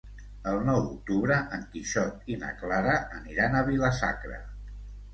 El nou d'octubre en Quixot i na Clara aniran a Vila-sacra.